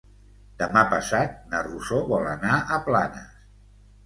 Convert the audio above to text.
Demà passat na Rosó vol anar a Planes.